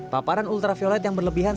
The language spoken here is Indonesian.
paparan ultraviolet yang berlebihan